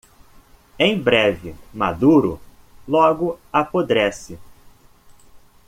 Em breve maduro? logo apodrece